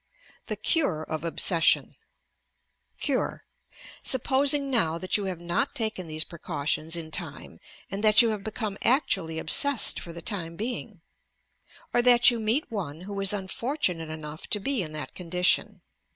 TIIB CUBE OP OBSESSION Cure, Supposing now that you have not taken these precautions in time and that you have become actually obsessed for the time being, or that you meet one who is unfortunate enough to be in that condition.